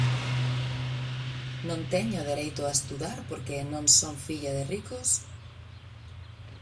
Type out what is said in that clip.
Non teño dereito a estudar porque non son filla de ricos?